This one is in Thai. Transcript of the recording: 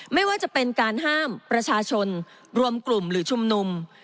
ไม่ว่าจะเป็นการห้ามประชาชนรวมกลุ่มหรือชุมนุม